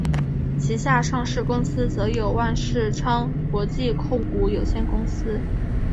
旗下上市公司则有万事昌国际控股有限公司。